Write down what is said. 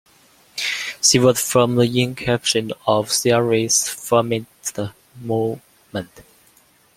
She was from the inception of Israel's feminist movement.